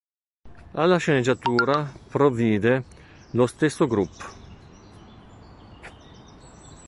Alla sceneggiatura provvide lo stesso gruppo.